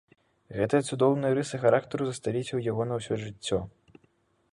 Гэтыя цудоўныя рысы характару засталіся ў яго на ўсё жыццё.